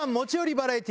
バラエティ